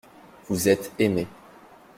Vous êtes aimé.